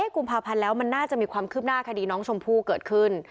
กุมภาพันธ์แล้วมันน่าจะมีความคืบหน้าคดีน้องชมพู่เกิดขึ้น